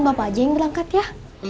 bapak aja yang berangkat ya